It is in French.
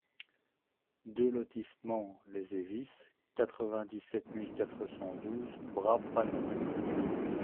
deux lotissement les Evis, quatre-vingt-dix-sept mille quatre cent douze Bras-Panon